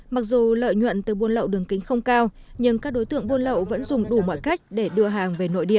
mặc dù lợi nhuận từ buôn lậu đường kính không cao nhưng các đối tượng buôn lậu vẫn dùng đủ mọi cách để đưa hàng về nội địa